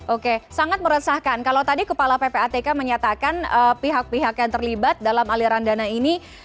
oke sangat meresahkan kalau tadi kepala ppatk menyatakan pihak pihak yang terlibat dalam aliran dana ini